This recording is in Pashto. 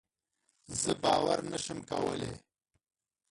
زه باور نشم کولی.